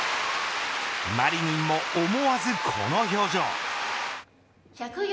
マリニンも思わずこの表情。